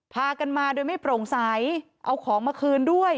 พากันมาโดยไม่โปร่งใสเอาของมาคืนด้วย